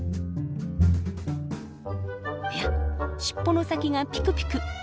おや尻尾の先がピクピク！